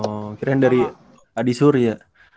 oh kirain dari adi sur ya